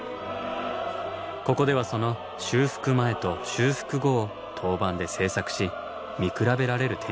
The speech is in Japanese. ここではその修復前と修復後を陶板で製作し見比べられる展示に。